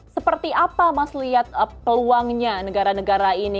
seperti apa mas lihat peluangnya negara negara ini